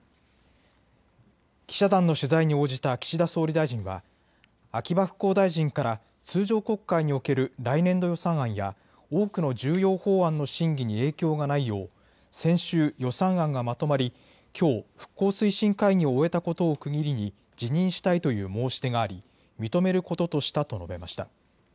記者団の取材に応じた岸田総理大臣は、秋葉復興大臣から通常国会における来年度予算案や多くの重要法案の審議に影響がないよう先週、予算案がまとまりきょう復興推進会議を終えたことを区切りに辞任したいという申し出があり認めることとしたと述べました。